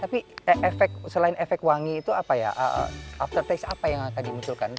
tapi selain efek wangi itu apa ya aftertaste apa yang tadi munculkan